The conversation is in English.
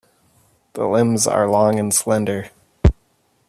The limbs are long and slender.